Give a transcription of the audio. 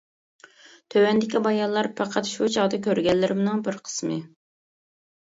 تۆۋەندىكى بايانلار پەقەت شۇ چاغدا كۆرگەنلىرىمنىڭ بىر قىسمى.